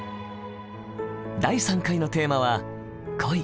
第３回のテーマは「恋」。